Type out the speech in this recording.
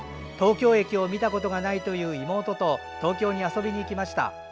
東京駅を見たことがないという妹と東京に遊びに行きました。